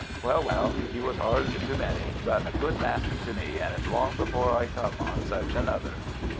Well, well, 'e was 'ard to many, but a good master to me, and it's long before I come on such another."